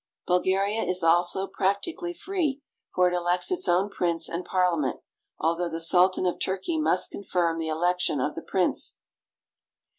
Bulgaria is also practically free, for it elects its own prince and Parliament, although the Sultan of Turkey must confirm the election of the prince.